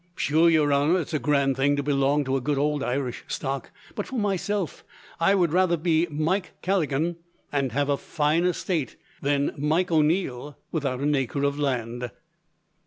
"Sure, your honour, it's a grand thing to belong to a good old Irish stock; but for myself, I would rather be Mike Callaghan and have a fine estate, than Mike O'Neil without an acre of land."